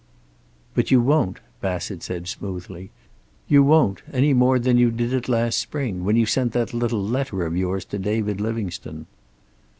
"But you won't," Bassett said smoothly. "You won't, any more than you did it last spring, when you sent that little letter of yours to David Livingstone."